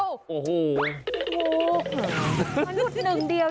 มันหยุดหนึ่งเดียว